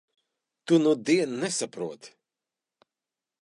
Tu nudien nesaproti.